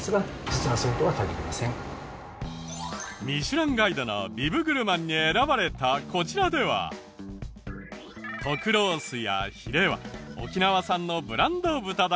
『ミシュランガイド』のビブグルマンに選ばれたこちらでは特ロースやヒレは沖縄産のブランド豚だけど。